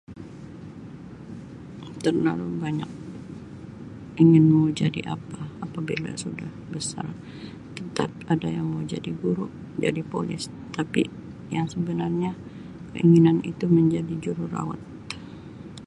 Terlalu banyak ingin mau jadi apa apabila sudah besar [unintelligible] ada yang mau jadi guru, jadi polis tapi yang sebenarnya keinginan itu ingin menjadi jururawat.